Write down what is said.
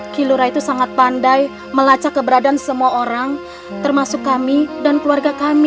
kilora itu sangat pandai melacak keberadaan semua orang termasuk kami dan keluarga kami